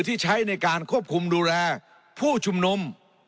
ที่ใช้ในการควบคุมดูแลผู้ชุมนุม